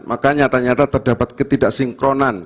maka nyata nyata terdapat ketidaksinkronan